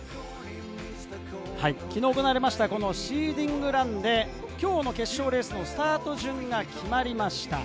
昨日行われましたシーディングランで、今日の決勝レースのスタート順が決まりました。